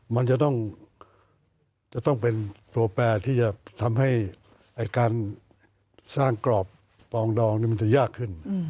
มันจะต้องเป็นตัวแปรที่จะทำให้การสร้างกรอบปองดองนี่มันจะยากขึ้น